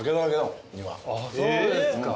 そうですか。